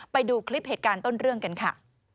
ไปดูคลิปเหตุการณ์ต้นเรื่องกันค่ะ